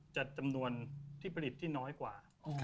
จำนวนที่ผลิตที่น้อยกว่า